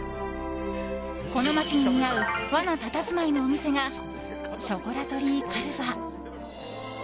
この街に似合う和のたたずまいのお店がショコラトリーカルヴァ。